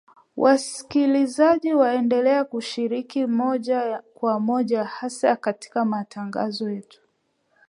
Wasikilizaji waendelea kushiriki moja kwa moja hasa katika matangazo yetu